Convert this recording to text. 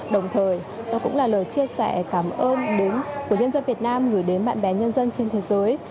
đồng thời nó cũng là lời chia sẻ cảm ơn của nhân dân việt nam gửi đến bạn bè nhân dân trên thế giới